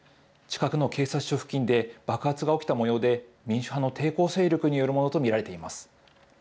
近くの警察署付近で爆発が起きたもようで、民主派の抵抗勢力によるものと見られています。